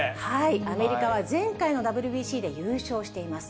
アメリカは前回のＷＢＣで優勝しています。